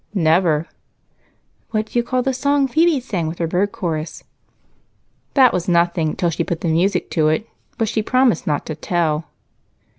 "Never." "What do you call the song Phebe sang with her bird chorus?" "That was nothing till she put the music to it. But she promised not to tell."